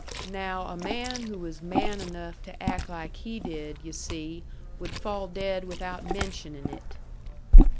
"Now a man who was man enough to act like he did, yu' see, would fall dead without mentioning it."